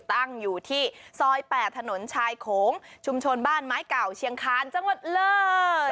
ตั้งอยู่ที่ซอย๘ถนนชายโขงชุมชนบ้านไม้เก่าเชียงคาญจังหวัดเลย